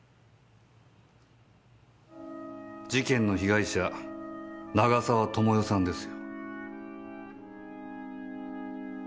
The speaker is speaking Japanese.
事件の被害者長沢智世さんですよ。